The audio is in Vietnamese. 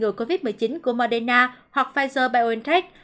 ngừa covid một mươi chín của madena hoặc pfizer biontech